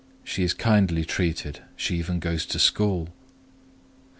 She is kindly treated: she even goes to school!"